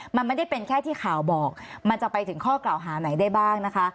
มันไม่ได้เป็นแค่ที่ข่าวบอกมันจะไปถึงข้อกล่าวหาไหนได้บ้างนะคะ